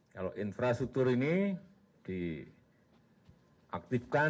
kalau infrastruktur ini diaktifkan